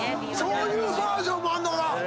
そういうバージョンもあんのか。